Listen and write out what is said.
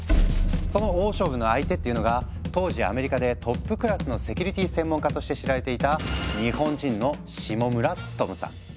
その大勝負の相手っていうのが当時アメリカでトップクラスのセキュリティ専門家として知られていた日本人の下村努さん。